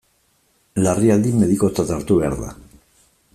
Larrialdi medikotzat hartu behar da.